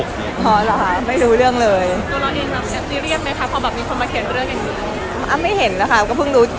มีเราหมั่นว่ามีเว็บไซต์เอียดที่เขียนว่าเรียนปกติ